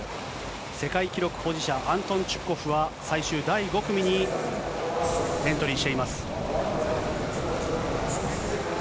世界記録保持者、アントン・チュブコフは最終第５組にエントリーしています。